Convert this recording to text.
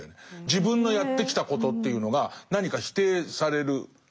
自分のやってきたことというのが何か否定されるような。